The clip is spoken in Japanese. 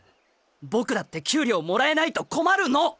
僕だって給料もらえないと困るのっ！